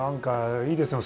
いいですね。